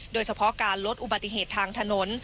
โดยเฉพาะการลดอุบัติเหตุทางถนน